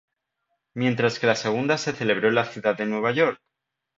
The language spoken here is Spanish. Mientras que la segunda se celebró en la ciudad de Nueva York.